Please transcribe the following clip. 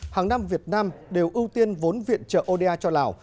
hàng năm việt nam đều ưu tiên vốn viện trợ oda cho lào